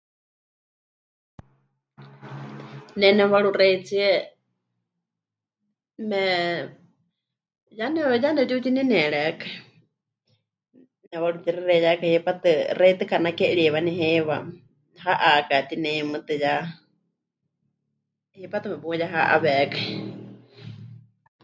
Ne nemɨwaruxeitsie me... ya, ya nepɨtiutinenierékai, nepɨwarutixexeiyákai hipátɨ, xewítɨ mɨkanaki'eriwani heiwa, mɨha'aka tineimɨtɨ ya hipátɨ́ mepuyeha'awékai.